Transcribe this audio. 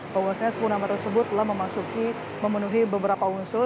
bahwasannya sepuluh nama tersebut telah memasuki memenuhi beberapa unsur